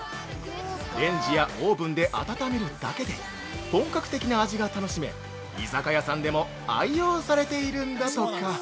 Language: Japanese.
レンジやオーブンで温めるだけで本格的な味が楽しめ、居酒屋さんでも愛用されているんだとか！